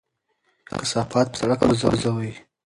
کثافات په سړک مه غورځوئ.